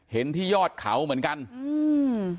ที่ยอดเขาเหมือนกันอืม